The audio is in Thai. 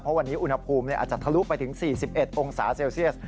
เพราะวันนี้อุณหภูมิอาจจะทะลุไปถึง๔๑องศาเซลเซียส